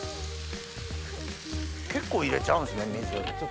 結構入れちゃうんですね水。